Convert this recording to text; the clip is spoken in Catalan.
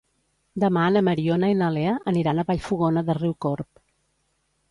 Demà na Mariona i na Lea aniran a Vallfogona de Riucorb.